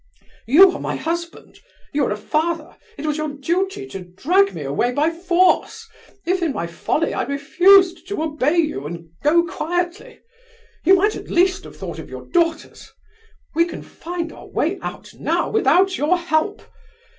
You are my husband, you are a father, it was your duty to drag me away by force, if in my folly I refused to obey you and go quietly. You might at least have thought of your daughters. We can find our way out now without your help.